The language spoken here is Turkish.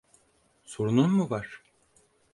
Sorunun mu var?